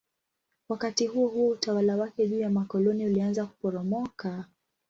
Wakati huohuo utawala wake juu ya makoloni ulianza kuporomoka.